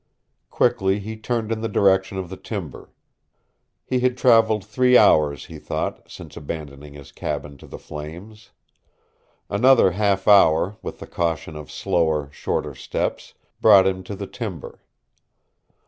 Quickly he turned in the direction of the timber. He had traveled three hours, he thought, since abandoning his cabin to the flames. Another half hour, with the caution of slower, shorter steps, brought him to the timber.